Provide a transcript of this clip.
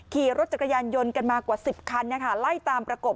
ขี่รถจักรยานยนต์กันมากว่า๑๐คันไล่ตามประกบ